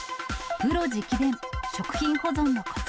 プロ直伝、食品保存のこつ。